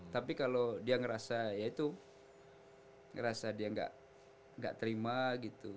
tapi kalau dia ngerasa ya itu ngerasa dia nggak terima gitu